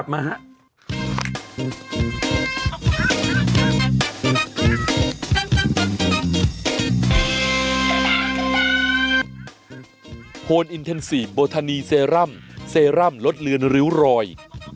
โฮนอินเทนซีฟโบทานีเซรั่มเซรั่มลดเลือนริ้วรอย